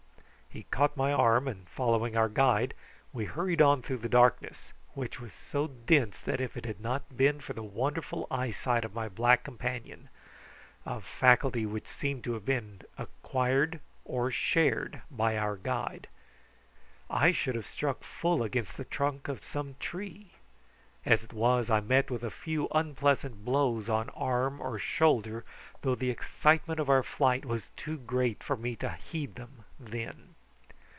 He caught my arm, and, following our guide, we hurried on through the darkness, which was so dense that if it had not been for the wonderful eyesight of my black companion a faculty which seemed to have been acquired or shared by our guide I should have struck full against the trunk of some tree. As it was, I met with a few unpleasant blows on arm or shoulder, though the excitement of our flight was too great for me to heed them then.